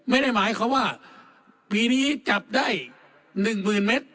ไม่ได้หมายเขาว่าปีนี้จับได้หนึ่งหมื่นเม็ด